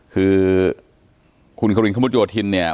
คือคุณครินขมุดโยธินเนี่ย